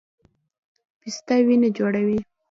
پسته وینه جوړوي